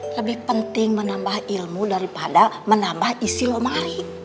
lebih penting menambah ilmu daripada menambah isi lemari